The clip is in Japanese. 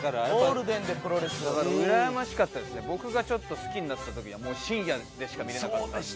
僕がちょっと好きになった時にはもう深夜でしか見られなかったんで。